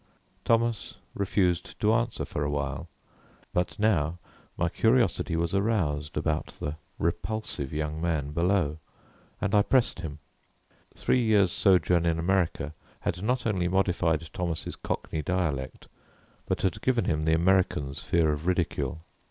Thomas refused to answer for a while, but now my curiosity was aroused about the repulsive young man below and I pressed him. Three years' sojourn in America had not only modified Thomas' cockney dialect but had given him the American's fear of ridicule.